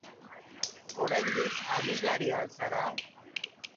Oraindik ameslaria al zara?